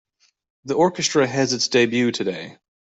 The orchestra has its debut today.